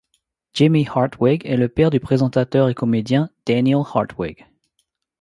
Jimmy Hartwig est le père du présentateur et comédien Daniel Hartwig.